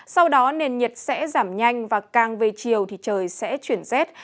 sau đó nền nhiệt sẽ giảm nhanh và càng về chiều thì trời sẽ chuyển rét